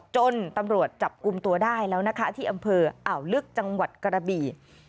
จนตำรวจจับกลุ่มตัวได้แล้วนะคะที่อำเภออ่าวลึกจังหวัดกระบี่